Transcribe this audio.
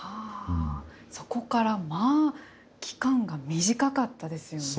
そこからまあ、期間が短かったですよね。